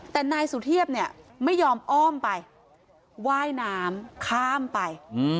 แต่นายสุเทพเนี่ยไม่ยอมอ้อมไปว่ายน้ำข้ามไป